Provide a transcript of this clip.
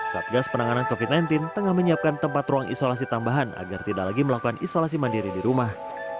satgas penanganan covid sembilan belas tengah menyiapkan tempat ruang isolasi tambahan agar tidak lagi melakukan isolasi mandiri di rumah